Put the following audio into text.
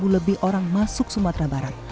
dua puluh lebih orang masuk sumatera barat